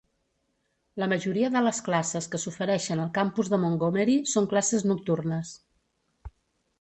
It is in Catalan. La majoria de les classes que s'ofereixen al campus de Montgomery són classes nocturnes.